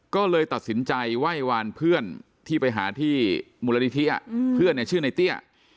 ก็เลยตัดสินใจไหว้วานเพื่อนที่ไปหาที่มูลนิธิเพื่อนชื่อในเตี้ย